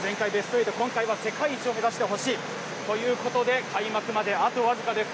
前回ベストエイト、今回は世界一を目指してほしいということで、開幕まであと僅かです。